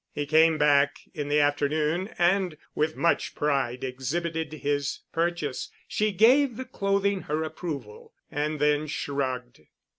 He came back in the afternoon and with much pride exhibited his purchase. She gave the clothing her approval and then shrugged.